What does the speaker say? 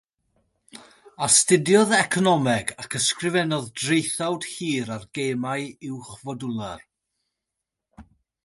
Astudiodd Economeg ac ysgrifennodd draethawd hir ar gemau uwchfodwlar.